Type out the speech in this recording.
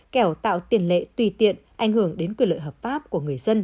kẻo tạo tiền lệ tùy tiện ảnh hưởng đến quyền lợi hợp pháp của người dân